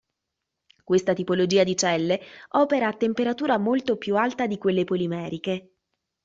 Questa tipologia di celle opera a temperatura molto più alta di quelle polimeriche.